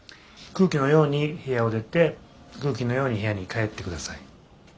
空気のように部屋を出て空気のように部屋に帰ってください。